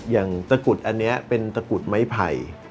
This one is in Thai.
อย่างตะกรุดอันนี้เป็นตะกรุดไม้ไผ่